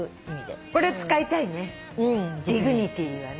これ使いたいねディグニティはね。